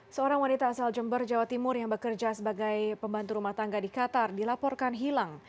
seorang wanita asal jember jawa timur yang bekerja sebagai pembantu rumah tangga di qatar dilaporkan hilang